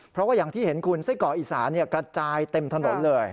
เพราะว่าอย่างที่เห็นคุณไส้กรอกอีสานกระจายเต็มถนนเลย